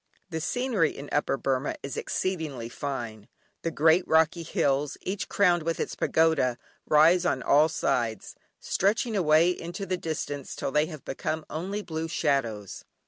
The scenery in Upper Burmah is exceedingly fine. The great rocky hills, each crowned with its pagoda, rise on all sides, stretching away into the distance till they become only blue shadows.